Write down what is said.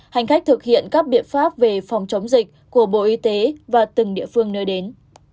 hành khách thực hiện các biện pháp về phòng chống dịch của bộ y tế và từng địa phương nơi đến